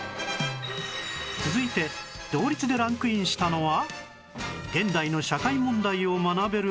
続いて同率でランクインしたのは